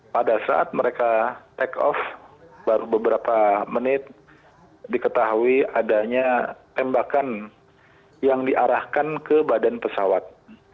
pada saat mereka take off baru beberapa menit diketahui adanya tembakan yang diarahkan ke badan pesawat